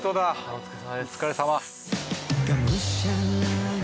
お疲れさま。